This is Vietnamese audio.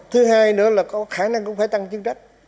thứ hai nữa là có khả năng cũng phải tăng chức trách